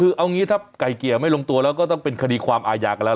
คือเอางี้ถ้าไก่เกลี่ยไม่ลงตัวแล้วก็ต้องเป็นคดีความอาญากันแล้ว